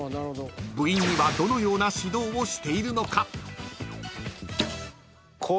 ［部員にはどのような指導をしているのか？］